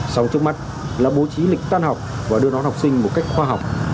xong trước mắt là bố trí lịch tan học và đưa đón học sinh một cách khoa học